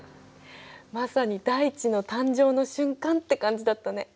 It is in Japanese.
まさに大地の誕生の瞬間って感じだったね。